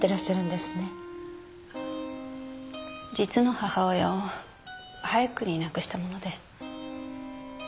実の母親を早くに亡くしたもので。